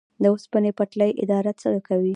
د اوسپنې پټلۍ اداره څه کوي؟